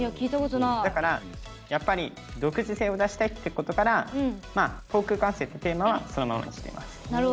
だから、独自性を出したいっていうことから航空管制というテーマはそのままにしています。